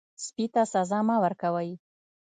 سپي ته سزا مه ورکوئ.